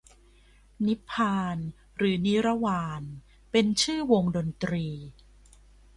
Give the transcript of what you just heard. นิพพาน หรือนิรวาน เป็นชื่อวงดนตรี